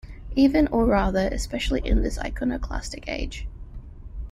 Even or rather, especially in this iconoclastic age.